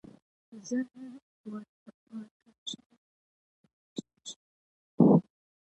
زهر ورکړل شوي او یا هم ویشتل شوي دي